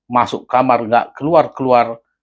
masuk kamar tidak keluar keluar